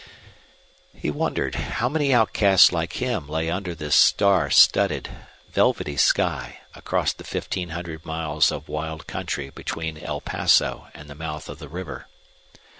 He wondered how many outcasts like him lay under this star studded, velvety sky across the fifteen hundred miles of wild country between El Paso and the mouth of the river.